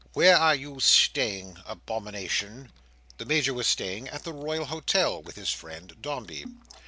"Where are you staying, abomination?" The Major was staying at the Royal Hotel, with his friend Dombey.